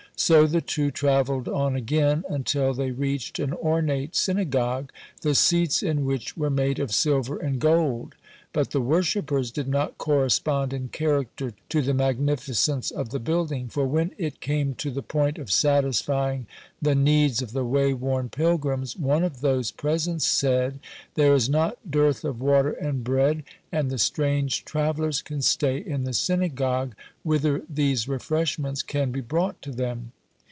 So the two travelled on again, until they reached an ornate synagogue, the seats in which were made of silver and gold. But the worshippers did not correspond in character to the magnificence of the building, for when it came to the point of satisfying the needs of the way worn pilgrims, one of those present said: "There is not dearth of water and bread, and the strange travellers can stay in the synagogue, whither these refreshments can be brought to them."